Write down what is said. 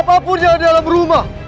apapun yang ada dalam rumah